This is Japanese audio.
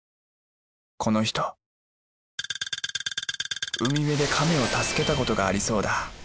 この人海辺で亀を助けたことがありそうだ。